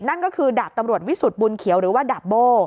นั่นก็คือดาบตำรวจวิสุทธิ์บุญเขียวหรือว่าดาบโบ้